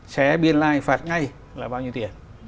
xé biên lai phạt ngay là bao nhiêu tiền